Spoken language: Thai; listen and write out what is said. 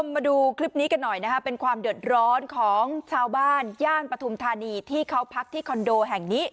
มาดูคลิปนี้กันหน่อยนะครับเป็นความเดือดร้อนของชาวบ้านย่านปฐุมธานีที่เขาพักที่คอนโดแห่งนี้